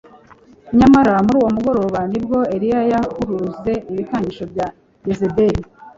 Nyamara muri uwo mugoroba ni bwo Eliya yahuruze ibikangisho bya Yezebeli